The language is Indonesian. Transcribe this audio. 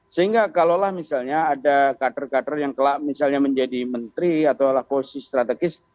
sehingga kalaulah misalnya ada kader kader yang kelak misalnya menjadi menteri atau posisi strategis